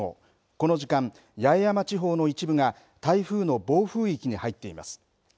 この時間、八重山地方の一部が台風の暴風域に入っています。